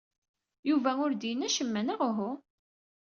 Yuba ur d-yenni acemma neɣ uhu?